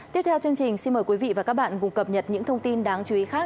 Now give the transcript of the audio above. tiếp theo chương trình xin mời quý vị và các bạn cùng cập nhật những thông tin đáng chú ý khác